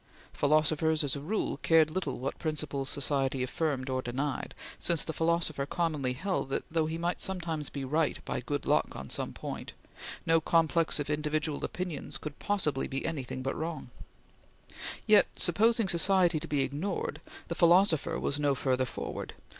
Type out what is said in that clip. Philosophers, as a rule, cared little what principles society affirmed or denied, since the philosopher commonly held that though he might sometimes be right by good luck on some one point, no complex of individual opinions could possibly be anything but wrong; yet, supposing society to be ignored, the philosopher was no further forward.